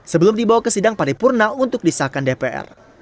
sebelum dibawa ke sidang paripurna untuk disahkan dpr